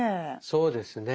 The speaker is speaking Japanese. そうですね。